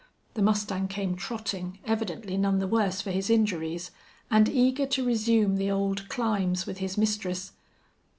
The mustang came trotting, evidently none the worse for his injuries, and eager to resume the old climbs with his mistress.